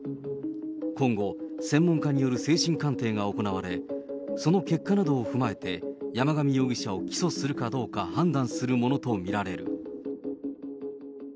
今後、専門家による精神鑑定が行われ、その結果などを踏まえて、山上容疑者を起訴するかどうか判断するものと見られる。